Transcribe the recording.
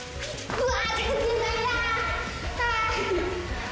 うわ。